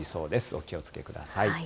お気をつけください。